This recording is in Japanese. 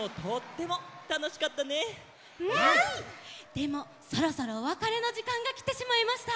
でもそろそろおわかれのじかんがきてしまいました。